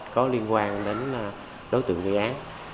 có liên quan đến đối tượng gây án